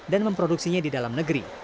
dan memproduksinya di dalam negeri